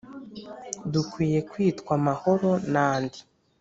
dukwiye kwitwa mahoro n’andi.